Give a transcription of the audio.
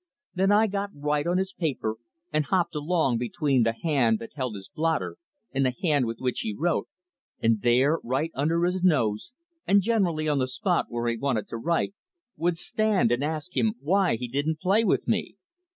Then I got right on his paper, and hopped along between the hand that held his blotter and the hand with which he wrote, and there, right under his very nose, and generally on the spot where he wanted to write, would stand and ask him why he didn't play with me.